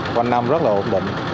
qua năm rất là ổn định